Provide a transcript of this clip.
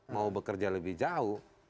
mau bekerja lebih jauh